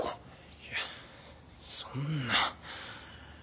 いえそんな。